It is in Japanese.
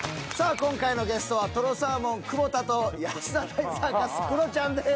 今回のゲストはとろサーモン久保田と安田大サーカスクロちゃんです。